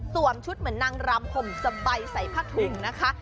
ชุดเหมือนนางรำห่มสบายใส่ผ้าถุงนะคะ